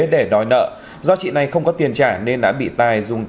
để đòi nợ do chị này không có tiền trả nên đã bị tài dùng tay